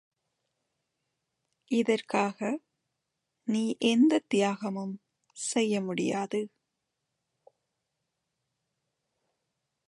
இதற்காக, நீ எந்தத் தியாகமும் செய்ய முடியாது அதைப் பற்றி உன்னால் நினைத்துக் கூடப் பார்க்க முடியாது.